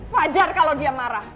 wajar kalau dia marah